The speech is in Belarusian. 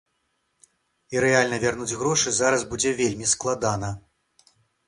І рэальна вярнуць грошы зараз будзе вельмі складана.